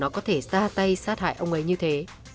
không ngờ nó có thể ra tay sát hại ông ấy như thế